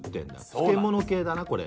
漬物系だなこれな。